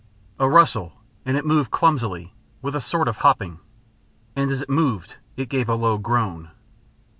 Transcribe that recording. A rustle, and it moved clumsily, with a sort of hopping. And as it moved it gave a low groan.